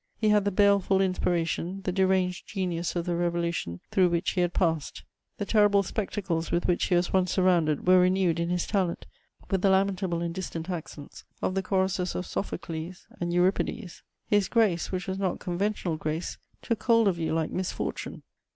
He had the baleful inspiration, the deranged genius of the Revolution through which he had passed. The terrible spectacles with which he was once surrounded were renewed in his talent with the lamentable and distant accents of the choruses of Sophocles and Euripides. His grace, which was not conventional grace, took hold of you like misfortune.